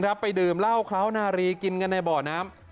ไปดื่มเหล้าเคล้านารีกินกันในบ่อน้ำ